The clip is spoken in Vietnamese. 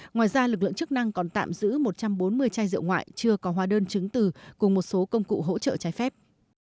ngoài ra lực lượng chức năng còn tạm giữ một trăm bốn mươi chai rượu ngoại chưa có hóa đơn chứng từ cùng một số công cụ hỗ trợ trái phép